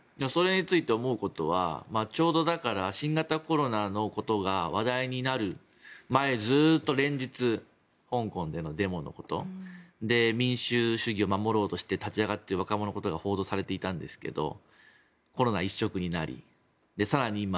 それについて思うことはちょうど新型コロナのことが話題になる前、ずっと連日香港でのデモのこと民主主義を守ろうとして立ち上がっている若者のことが報道されていたんですがコロナ一色になり更に